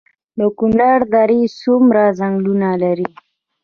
د کونړ درې څومره ځنګلونه لري؟